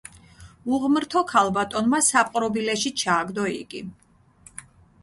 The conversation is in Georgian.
უღმრთო ქალბატონმა საპყრობილეში ჩააგდო იგი.